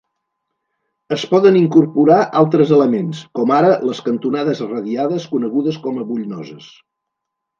Es poden incorporar altres elements, com ara les cantonades radiades conegudes com a "bullnoses".